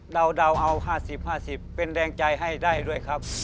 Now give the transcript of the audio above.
เดาเอา๕๐๕๐เป็นแรงใจให้ได้ด้วยครับ